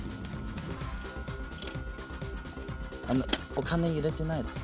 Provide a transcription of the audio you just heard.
お金入れてないです？